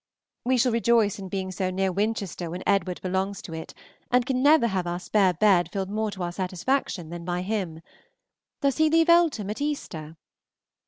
We shall rejoice in being so near Winchester when Edward belongs to it, and can never have our spare bed filled more to our satisfaction than by him. Does he leave Eltham at Easter?